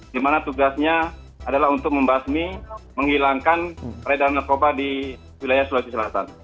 di mana tugasnya adalah untuk membasmi menghilangkan peredaran narkoba di wilayah sulawesi selatan